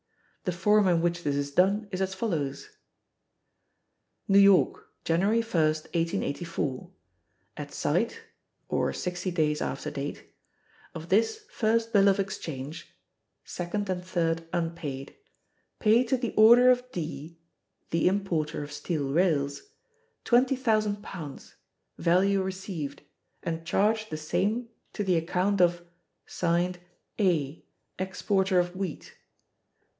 The form in which this is done is as follows: NEW YORK, January 1, 1884. At sight [or sixty days after date] of this first bill of exchange (second and third unpaid), pay to the order of D [the importer of steel rails] £20,000, value received, and charge the same to the account of [Signed] A [exporter of wheat].